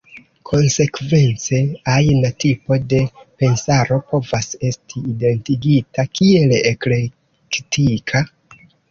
Konsekvence, ajna tipo de pensaro povas esti identigita kiel eklektika.